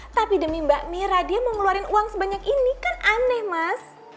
tapi demi mbak mira dia mau ngeluarin uang sebanyak ini kan aneh mas